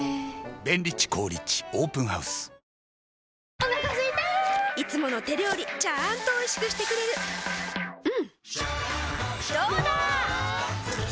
お腹すいたいつもの手料理ちゃんとおいしくしてくれるジューうんどうだわ！